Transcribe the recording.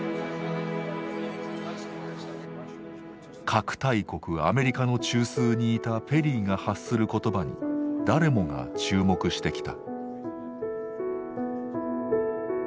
核大国アメリカの中枢にいたペリーが発する言葉に誰もが注目してきた。